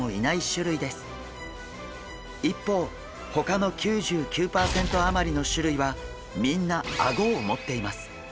一方ほかの９９パーセント余りの種類はみんなアゴを持っています。